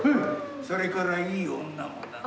それからいい女もな。